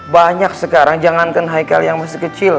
banyak sekarang jangankan haikal yang masih kecil